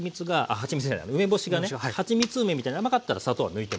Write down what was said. はちみつ梅みたいに甘かったら砂糖は抜いてもいいですよ。